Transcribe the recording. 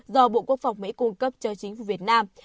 do bộ quốc phòng mỹ cung cấp cho chính phủ việt nam